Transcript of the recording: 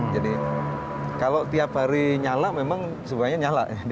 jadi kalau tiap hari nyala memang semuanya nyala